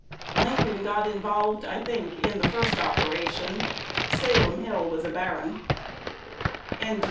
Lincoln got involved, I think, in the first operation. Salem Hill was a barren."